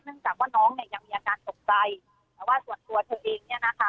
จากว่าน้องเนี่ยยังมีอาการตกใจแต่ว่าส่วนตัวเธอเองเนี่ยนะคะ